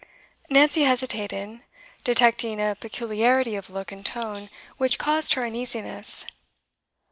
Nancy hesitated, detecting a peculiarity of look and tone which caused her uneasiness.